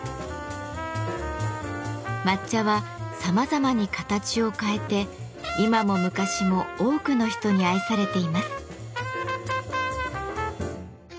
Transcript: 抹茶はさまざまに形を変えて今も昔も多くの人に愛されています。